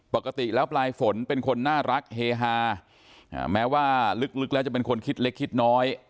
ปกติแล้วปลายฝนเป็นคนน่ารักเฮฮาแม้ว่าลึกแล้วจะเป็นคนคิดเล็กคิดน้อย